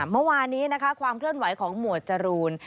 เมื่อวานนี้นะคะความเคลื่อนไหวของหมวดจรูน